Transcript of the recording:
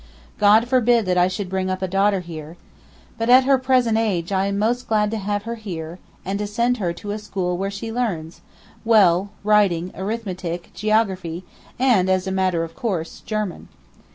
God forbid that I should bring up a daughter here! But at her present age I am most glad to have her here, and to send her to a school where she learns—well, writing, arithmetic, geography, and, as a matter of course, German.